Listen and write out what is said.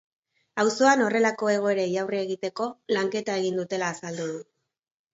Auzoan horrelako egoerei aurre egiteko lanketa egin dutela azaldu du.